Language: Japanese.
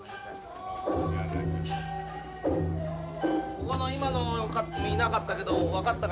ここの今のカットいなかったけど分かったかな？